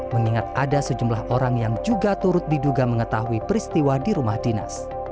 mengingat ada sejumlah orang yang juga turut diduga mengetahui peristiwa di rumah dinas